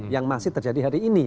yang masih terjadi hari ini